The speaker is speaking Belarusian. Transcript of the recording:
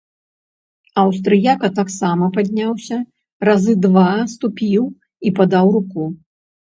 Аўстрыяка таксама падняўся, разы два ступіў і падаў руку.